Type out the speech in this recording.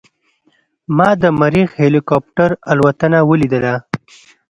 ما د مریخ هلیکوپټر الوتنه ولیدله.